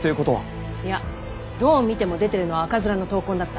いやどう見ても出てるのは赤面の痘痕だった。